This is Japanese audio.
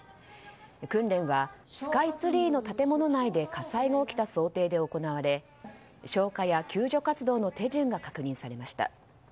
訓練はスカイツリーの建物内で火災が起きた想定で行われ消火や救助活動の手順が確認されました。